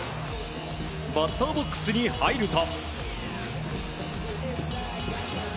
バッターボックスに入ると。